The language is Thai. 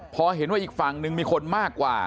พอเห็นว่าอีกฝั่งนึงมีคนมากกว่า